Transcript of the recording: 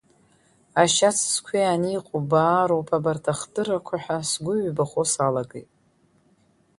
Ашьац зқәиаан иҟоу баароуп абарҭ ахтырақәа ҳәа сгәы ҩбахо салагеит…